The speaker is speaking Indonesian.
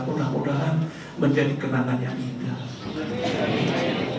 mudah mudahan menjadi kenangan yang indah